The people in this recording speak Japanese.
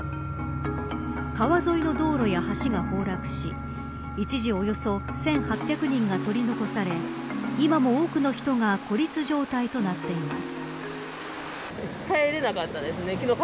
川沿いの道路や橋が崩落し一時、およそ１８００人が取り残され今も多くの人が孤立状態となっています。